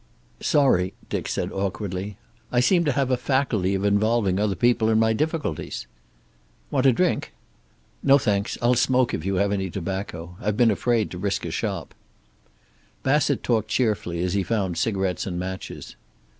"Sorry," Dick said awkwardly, "I seem to have a faculty of involving other people in my difficulties." "Want a drink?" "No, thanks. I'll smoke, if you have any tobacco. I've been afraid to risk a shop." Bassett talked cheerfully as he found cigarettes and matches.